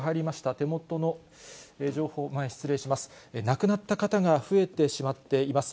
手元の情報、前失礼します。